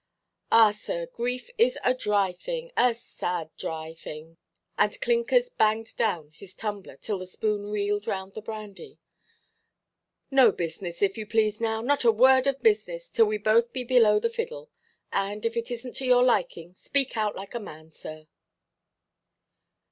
"Ah, sir, grief is a dry thing, a sad dry thing;" and Clinkers banged down his tumbler till the spoon reeled round the brandy; "no business, if you please now, not a word of business till we both be below the fiddle; and, if it isnʼt to your liking, speak out like a man, sir."